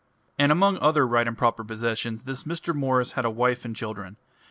And among other right and proper possessions, this Mr. Morris had a wife and children.